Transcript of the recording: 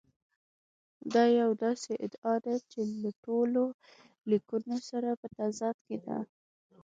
دا یوه داسې ادعا ده چې له ټولو لیکونو سره په تضاد کې ده.